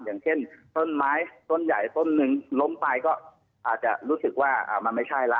อย่างเช่นต้นไม้ต้นใหญ่ต้นหนึ่งล้มไปก็อาจจะรู้สึกว่ามันไม่ใช่ละ